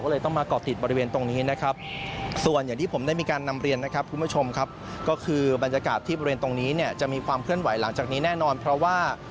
แล้วก็มีการนำตัวในน้ำอุ่นออกมา